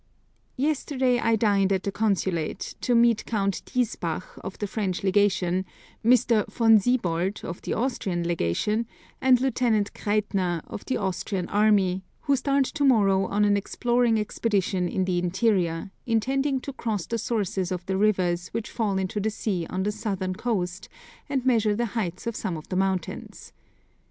Yesterday I dined at the Consulate, to meet Count Diesbach, of the French Legation, Mr. Von Siebold, of the Austrian Legation, and Lieutenant Kreitner, of the Austrian army, who start to morrow on an exploring expedition in the interior, intending to cross the sources of the rivers which fall into the sea on the southern coast and measure the heights of some of the mountains.